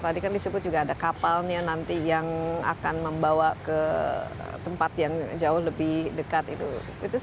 tadi kan disebut juga ada kapalnya nanti yang akan membawa ke tempat yang jauh lebih dekat itu